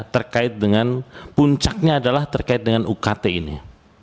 terkait dengan puncaknya adalah terkait dengan ukt ini